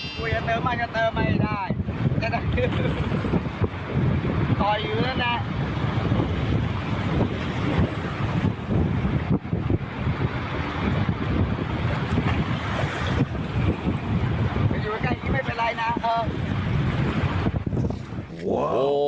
อยู่ใกล้นี้ไม่เป็นไรนะ